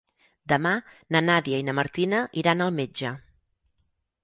Demà na Nàdia i na Martina iran al metge.